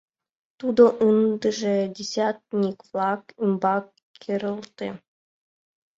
Тудо ындыже десятник-влак ӱмбак керылте.